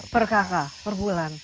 per kakak perbulan